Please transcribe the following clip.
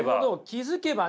気付けば。